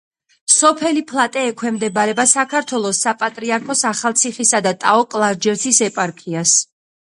სოფელი ფლატე ექვემდებარება საქართველოს საპატრიარქოს ახალციხისა და ტაო-კლარჯეთის ეპარქიას.